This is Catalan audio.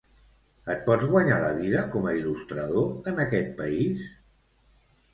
Et pots guanyar la vida com a il·lustrador en aquest país?